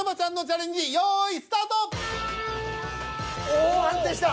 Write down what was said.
おお安定した。